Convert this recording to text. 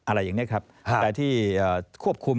อะไรอย่างนี้ครับแต่ที่ควบคุม